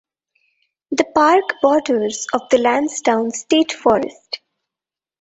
The park borders the Lansdowne State Forest.